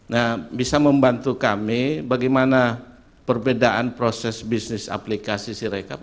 nah bisa membantu kami bagaimana perbedaan proses bisnis aplikasi sirekap